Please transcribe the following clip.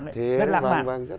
rất là lãng mạn